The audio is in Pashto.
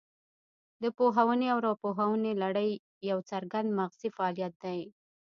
د پوهونې او راپوهونې لړۍ یو څرګند مغزي فعالیت دی